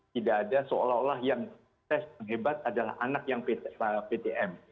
tidak ada seolah olah yang tes hebat adalah anak yang ptm